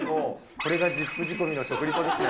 これがＺＩＰ仕込みの食リポですね。